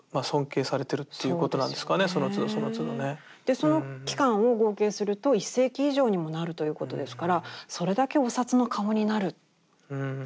その期間を合計すると１世紀以上にもなるということですからそれだけお札の顔になる大変な。